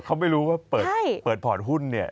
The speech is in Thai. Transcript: เขาไม่รู้ว่าเปิดพอร์ตหุ้นเนี่ย